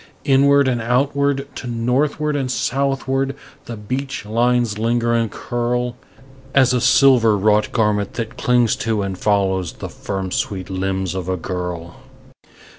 Inward and outward to northward and southward the beach lines linger and curl As a silver wrought garment that clings to and follows the firm sweet limbs of a girl.